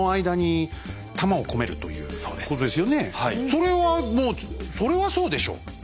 それはもうそれはそうでしょ。